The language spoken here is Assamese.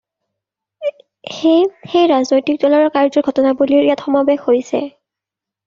সেই সেই ৰাজনৈতিক দলৰ কাৰ্য্যৰ ঘটনাৱলীৰ ইয়াত সমাৱেশ হৈছে।